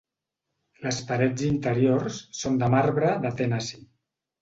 Les parets interiors són de marbre de Tennessee.